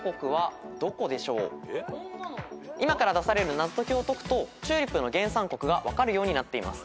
今から出される謎解きを解くとチューリップの原産国が分かるようになっています。